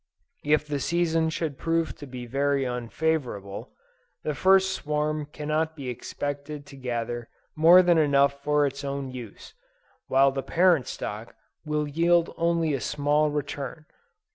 If the season should prove to be very unfavorable, the first swarm cannot be expected to gather more than enough for its own use, while the parent stock will yield only a small return.